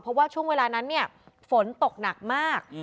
เพราะว่าช่วงเวลานั้นเนี่ยฝนตกหนักมาก